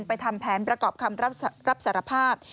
ทำแผนประกอบคำรับสารภาพ